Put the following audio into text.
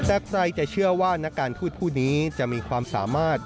แต่ใครจะเชื่อว่านักการทูตคู่นี้จะมีความสามารถ